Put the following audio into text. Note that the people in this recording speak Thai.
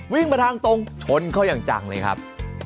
วิ่งมาทางตรงชนเขาอย่างจังเลยครับ